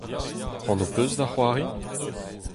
C'hoant ho peus da c'hoari ?